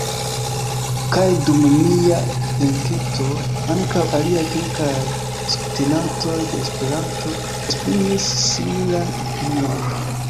Kaj dum mia enketo, ankaŭ aliaj kelkaj subtenantoj de Esperanto esprimis similan opinion.